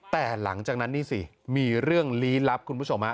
แต่หลังจากนั้นนี่สิมีเรื่องลี้ลับคุณผู้ชมฮะ